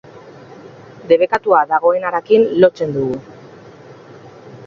Debekatua dagoenarekin lotzen dugu.